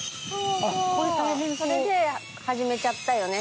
それで始めちゃったよね